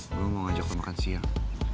gue mau ngajak lo makan siang